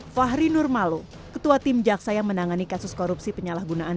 fahri nurmalu ketua tim jaksa yang menangani kasus korupsi penyalahgunaan